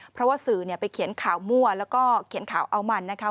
เพราะว่าสื่อไปเขียนข่าวมั่วแล้วก็เขียนข่าวเอามันนะคะ